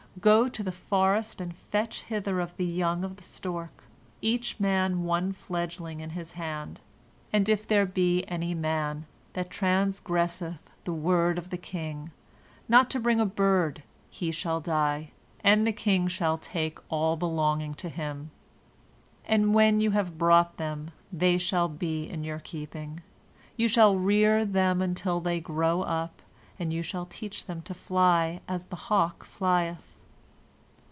Go to the forest and fetch hither of the young of the stork, each man one fledgling in his hand. And if there be any man that transgresseth the word of the king, not to bring a bird, he shall die, and the king shall take all belonging to him.' And when you have brought them, they shall be in your keeping. You shall rear them until they grow up, and you shall teach them to fly as the hawk flieth."